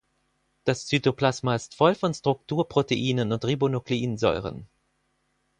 Das Zytoplasma ist voll von Strukturproteinen und Ribonukleinsäuren.